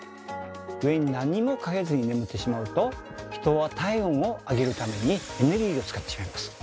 上に何もかけずに眠ってしまうと人は体温を上げるためにエネルギーを使ってしまいます。